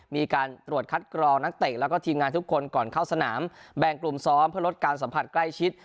มีการตรวจคัดกรองนักเตะแล้วก็ทีมงานทุกคนก่อนเข้าสนามแบ่งกลุ่มซ้อมเพื่อลดการสัมผัสใกล้ชิด